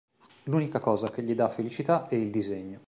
L'unica cosa che gli dà felicità è il disegno.